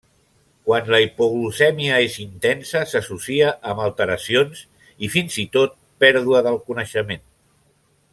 Quan la hipoglucèmia és intensa s'associa amb alteracions i, fins i tot, pèrdua del coneixement.